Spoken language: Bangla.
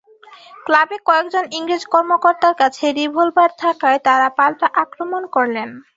ক্লাবে কয়েকজন ইংরেজ কর্মকর্তার কাছে রিভলবার থাকায় তাঁরা পাল্টা আক্রমণ করলেন।